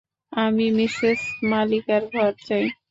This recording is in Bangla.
আমি মিসেস মালিকার ঘর চাই।